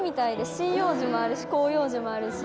針葉樹もあるし広葉樹もあるし！